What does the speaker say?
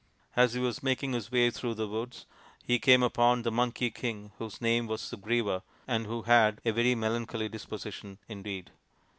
As he was making his way through the woods he came upon the Monkey King, whose name was Sugriva and who had a very melancholy disposition indeed.